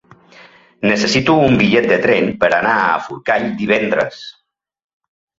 Necessito un bitllet de tren per anar a Forcall divendres.